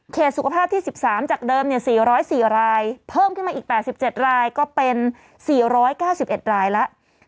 สุขภาพที่๑๓จากเดิม๔๐๔รายเพิ่มขึ้นมาอีก๘๗รายก็เป็น๔๙๑รายแล้ว